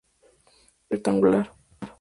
Es de forma rectangular.